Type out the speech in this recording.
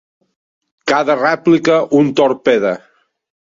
Cada rèplica un torpede.